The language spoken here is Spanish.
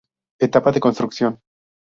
Etapa de construcción.